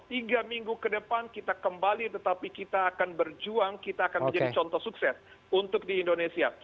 tiga minggu ke depan kita kembali tetapi kita akan berjuang kita akan menjadi contoh sukses untuk di indonesia